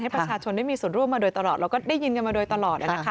ประชาชนได้มีส่วนร่วมมาโดยตลอดเราก็ได้ยินกันมาโดยตลอด